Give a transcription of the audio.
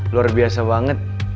luar biasa banget